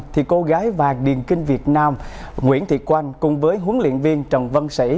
thì cô gái vàng điện kinh việt nam nguyễn thị oanh cùng với huấn luyện viên trần vân sĩ